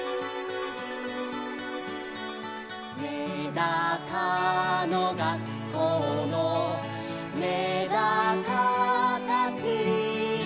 「めだかのがっこうのめだかたち」